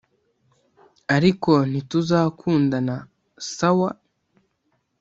ariko ntituzakundana sawa?